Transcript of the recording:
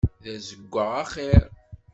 D azeggaɣ axiṛ.